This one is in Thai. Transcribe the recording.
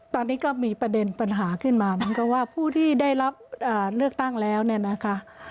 ตอนนี้ก็มีประเด็นปัญหาขึ้นมาเหมือนกับว่าผู้ที่ได้รับเลือกตั้งแล้วเนี่ยนะคะ